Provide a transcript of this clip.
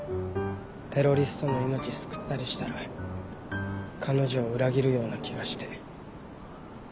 テロリストの命救ったりしたら彼女を裏切るような気がして。